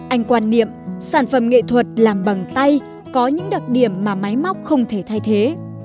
anh quan niệm sản phẩm nghệ thuật làm bằng tay có những đặc điểm mà máy móc không thể thay thế